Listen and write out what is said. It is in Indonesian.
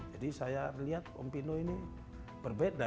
jadi saya lihat om pino ini berbeda